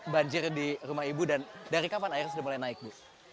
banjir di rumah ibu dan dari kapan air sudah mulai naik bu